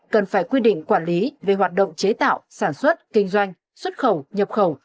cần phải quy định quản lý về hoạt động chế tạo sản xuất kinh doanh xuất khẩu nhập khẩu